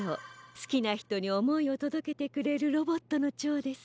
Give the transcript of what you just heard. すきなひとにおもいをとどけてくれるロボットのチョウです。